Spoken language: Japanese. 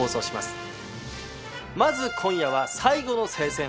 まず今夜は『最後の聖戦』。